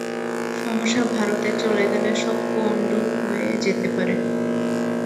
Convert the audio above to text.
সহসা ভারতে চলে গেলে সব পণ্ড হয়ে যেতে পারে।